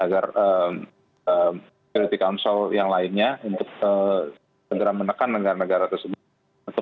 agar council yang lainnya untuk benar benar menekan negara negara tersebut